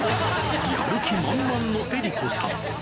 やる気満々の江里子さん。